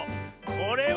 これは。